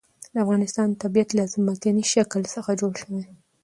د افغانستان طبیعت له ځمکنی شکل څخه جوړ شوی دی.